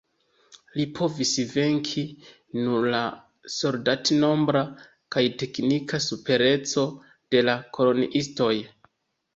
Lin povis venki nur la soldat-nombra kaj teknika supereco de la koloniistoj.